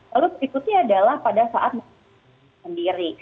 lalu berikutnya adalah pada saat memiliki anak sendiri